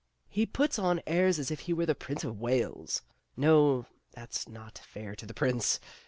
"He puts on airs as if he were the Prince of Wales no, that's not fair to the prince.